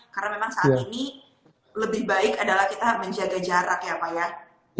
karena memang saat ini lebih baik adalah kita menjaga jarak ya pak ya